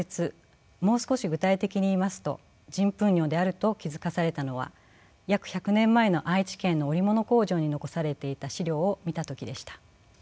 もう少し具体的に言いますと人糞尿であると気付かされたのは約１００年前の愛知県の織物工場に残されていた史料を見た時でした。